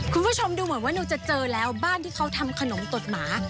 คุณผู้ชมดูเหมือนว่าหนูจะเจอแล้วบ้านที่เขาทำขนมตดหมา